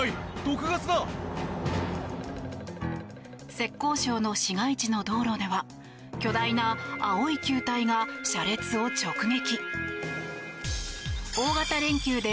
浙江省の市街地の道路では巨大な青い球体が車列を直撃。